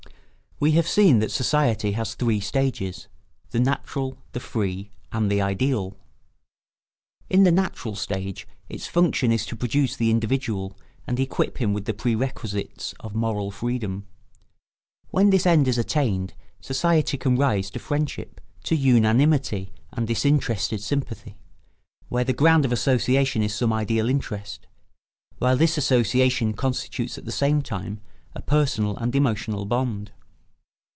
] We have seen that society has three stages—the natural, the free, and the ideal. In the natural stage its function is to produce the individual and equip him with the prerequisites of moral freedom. When this end is attained society can rise to friendship, to unanimity and disinterested sympathy, where the ground of association is some ideal interest, while this association constitutes at the same time a personal and emotional bond.